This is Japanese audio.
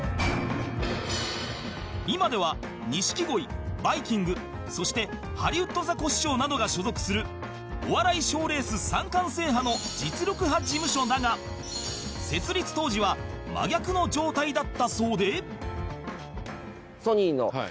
今では錦鯉バイきんぐそしてハリウッドザコシショウなどが所属するお笑い賞レース三冠制覇の実力派事務所だが設立当時は真逆の状態だったそうで